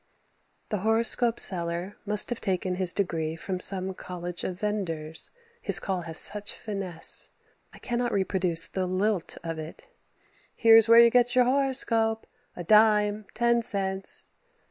The horoscope seller must have taken his degree from some college of venders, his call has such finesse. I cannot reproduce the lilt of it "Here's where you get your horoscope, a dime, ten cents."